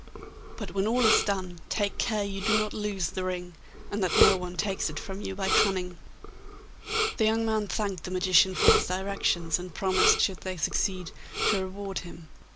But when all is done, take care you do not lose the ring, and that no one takes it from you by cunning.' The young man thanked the magician for his directions, and promised, should they succeed, to reward him.